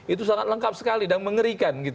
itu sangat lengkap sekali dan mengerikan